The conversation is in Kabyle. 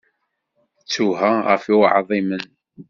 Ttuha ɣef i uɛḍimen.